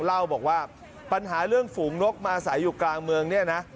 เล่าบอกว่าปัญหาเรื่องฝูงนกมาใส่อยู่กลางเมืองเนี่ยนะ